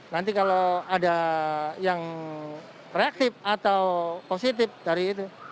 nanti kalau ada yang reaktif atau positif dari itu